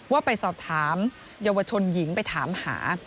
ว่าไปสอบถามเยาวชนหญิงไปถามหา